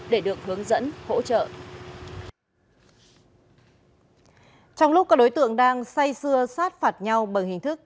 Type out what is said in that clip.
để được hướng dẫn hỗ trợ trong lúc các đối tượng đang say xưa sát phạt nhau bằng hình thức